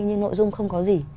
nhưng nội dung không có gì